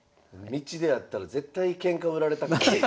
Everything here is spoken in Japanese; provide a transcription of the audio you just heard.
道であったら絶対ケンカ売られたくない。